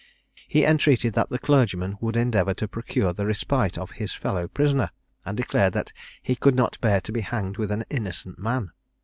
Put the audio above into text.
He entreated that the clergyman would endeavour to procure the respite of his fellow prisoner, and declared that he could not bear to be hanged with an innocent man.